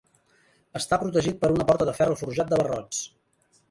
Està protegit per una porta de ferro forjat de barrots.